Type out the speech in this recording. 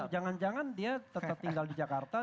jangan jangan dia tetap tinggal di jakarta